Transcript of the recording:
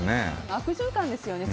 悪循環ですよね。